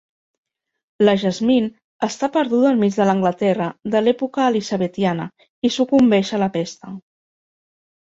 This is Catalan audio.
La Jasmine està perduda en mig de l'Anglaterra de l'època elisabetiana i sucumbeix a la pesta.